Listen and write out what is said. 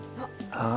ああ。